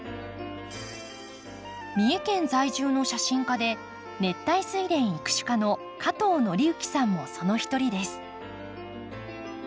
三重県在住の写真家で熱帯スイレン育種家の加藤宣幸さんもその一人です。